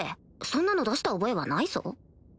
そんなの出した覚えはないぞ？